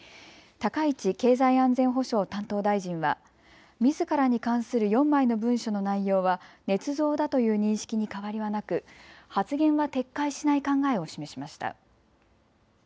高市経済安全保障担当大臣はみずからに関する４枚の文書の内容はねつ造だという認識に変わりはなく発言は撤回しない考えを示しました。